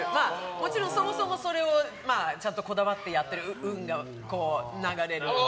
もちろんそもそもちゃんとこだわってやってる運が流れる。